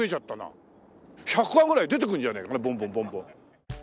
１００羽ぐらい出てくるんじゃねえかなボンボンボンボン。